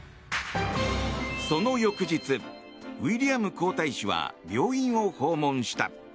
その翌日、ウィリアム皇太子は病院を訪問した。